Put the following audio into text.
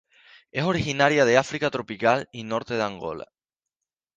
Es originaria de África tropical y norte de Angola.